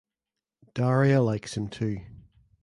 Daria likes him too.